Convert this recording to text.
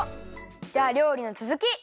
じゃありょうりのつづき！